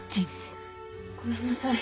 ごめんなさい